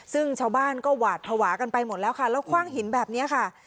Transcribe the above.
ซึ่งชาวบ้านก็หวาดภาวะกันไปหมดแล้วค่ะแล้วคว่างหินแบบนี้ค่ะ